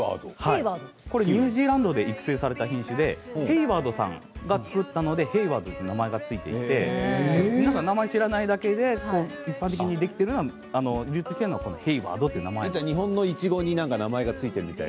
ニュージーランドで育成された品種でヘイワードさんが作ったのでヘイワードという名前が付いていて皆さん名前を知らないだけで一般的に出てきている流通されているのはヘイワードです。